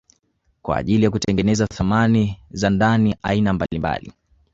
Kwa ajili ya kutengenezea samani za aina mbalimbali